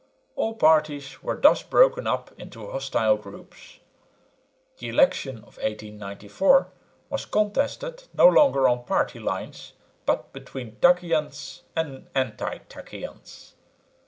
All parties were thus broken up into hostile groups. The election of 1894 was contested no longer on party lines, but between Takkians and anti Takkians.